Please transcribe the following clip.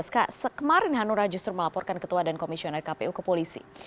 kemarin hanura justru melaporkan ketua dan komisioner kpu ke polisi